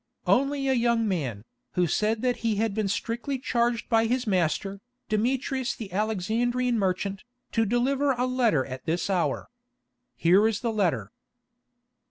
"Only a young man, who said that he had been strictly charged by his master, Demetrius the Alexandrian merchant, to deliver a letter at this hour. Here is the letter."